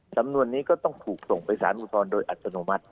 สำนวนนี้ก็ต้องถูกส่งไปสารอุทธรณ์โดยอัตโนมัติ